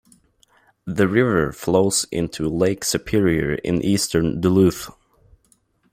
The river flows into Lake Superior in eastern Duluth.